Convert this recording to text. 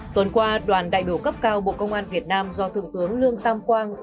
tuần qua đoàn đại biểu cấp cao bộ công an việt nam do thượng tướng lương tam quang